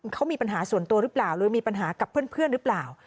เขามีปัญหาส่วนตัวหรือเปล่าหรือมีปัญหากับเพื่อนหรือเปล่า